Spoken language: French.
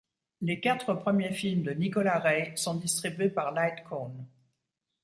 Les quatre premiers films de Nicolas Rey sont distribués par Lightcone.